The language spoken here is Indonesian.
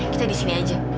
kita disini aja